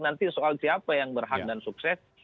nanti soal siapa yang berhak dan sukses